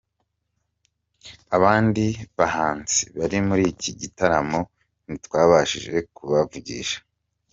Abandi bahanzi bari muri iki gitaramo ntitwabashije kubavugisha.